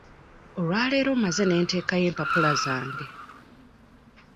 Olwa leero mmaze ne nteekayo empapula zange.